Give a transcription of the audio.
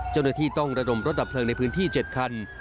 เจ้าหน้าที่ต้องระดมรถดับเพลิงในพื้นที่๗คัน